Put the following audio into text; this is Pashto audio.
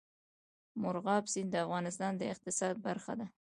مورغاب سیند د افغانستان د اقتصاد برخه ده.